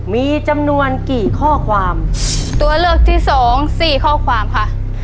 มีจำนวนกี่ข้อความตัวเลือกที่สองสี่ข้อความค่ะ